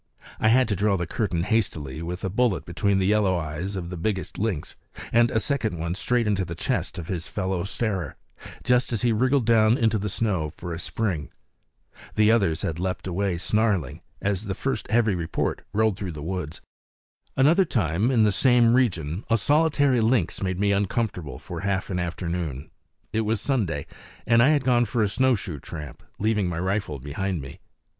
I had to draw the curtain hastily with a bullet between the yellow eyes of the biggest lynx, and a second straight into the chest of his fellow starer, just as he wriggled down into the snow for a spring. The others had leaped away snarling as the first heavy report rolled through the woods. Another time, in the same region, a solitary lynx made me uncomfortable for half an afternoon. It was Sunday, and I had gone for a snowshoe tramp, leaving my rifle behind me.